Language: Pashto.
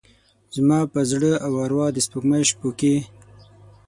زما پر زړه او اروا د سپوږمۍ شپوکې،